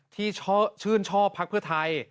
ที่ชื่นชอบพักเพื่อไทย